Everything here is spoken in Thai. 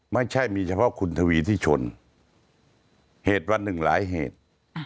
ไม่ใช่มีเฉพาะคุณทวีที่ชนเหตุวันหนึ่งหลายเหตุ